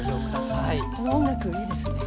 いやこの音楽いいですね。